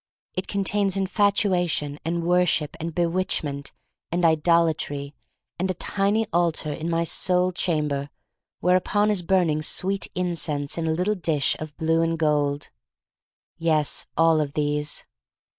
It contains infatuation, and worship, and bewitchment, and idol atry, and a tiny altar in my soul cham ber whereon is burning sweet incense in a little dish of blue and gold. "Yes, all of these.